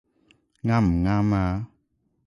啱唔啱呀？